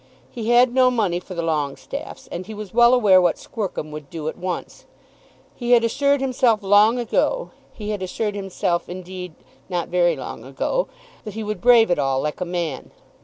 He had no money for the Longestaffes, and he was well aware what Squercum would do at once. He had assured himself long ago, he had assured himself indeed not very long ago, that he would brave it all like a man.